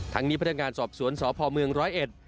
นี้พนักงานสอบสวนสพเมืองร้อยเอ็ด